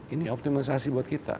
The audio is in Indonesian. ini optimisasi buat kita